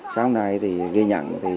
sau hôm nay thì ghi nhận